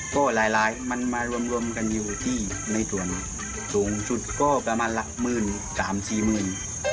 ก็หลายมันมารวมกันอยู่ที่ในส่วนสูงสุดก็ประมาณหลักหมื่นสามสี่หมื่น